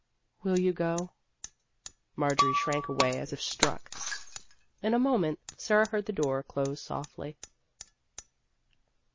" Will you go ?" Marjorie shrank away as if struck. In a moment Sara heard the door close softly.